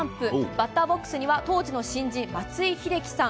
バッターボックスには当時の新人松井秀喜さん。